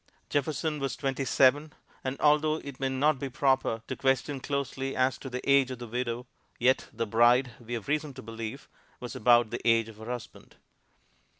Jefferson was twenty seven, and although it may not be proper to question closely as to the age of the widow, yet the bride, we have reason to believe, was about the age of her husband.